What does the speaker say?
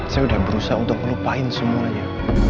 saya udah berusaha untuk ngelupain semuanya